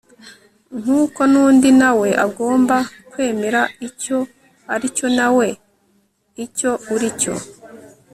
nk'uko n'undi na we agomba kwemera icyo ari cyo nawe icyo uri cyo